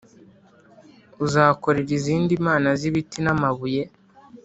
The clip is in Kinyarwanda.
uzakorera izindi mana z’ibiti n’amabuye